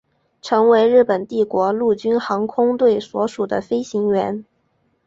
成为日本帝国陆军航空队所属的飞行员。